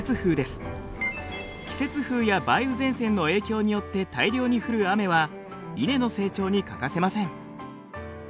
季節風や梅雨前線の影響によって大量に降る雨は稲の成長に欠かせません。